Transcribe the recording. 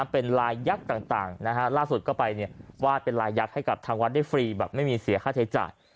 เป็นลายยักษ์ต่างล่าสุดก็ไปวาดเป็นลายยักษ์ให้กับทางวัดได้ฟรีแบบไม่มีเสียค่าใช้จ่าย